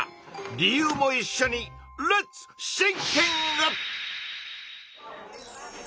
理由もいっしょにレッツシンキング！